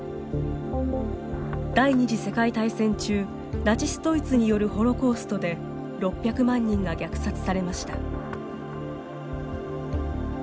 第２次世界大戦中ナチス・ドイツによるホロコーストで６００万人が虐殺されました。